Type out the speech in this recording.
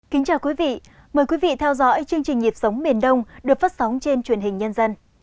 kính chào quý vị mời quý vị theo dõi chương trình nhịp sống miền đông được phát sóng trên truyền hình nhân dân